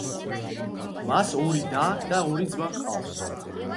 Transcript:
მას ორი და და ორი ძმა ჰყავს.